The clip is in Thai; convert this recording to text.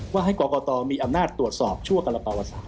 ว่าให้กรกตมีอำนาจตรวจสอบชั่วกรปวศาส